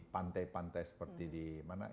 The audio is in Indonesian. pantai pantai seperti di mana